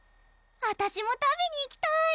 あたしも食べに行きたい！